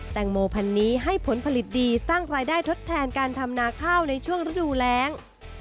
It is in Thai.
แตงโมพันนี้ให้ผลผลิตดีสร้างรายได้ทดแทนการทำนาข้าวในช่วงฤดูแรง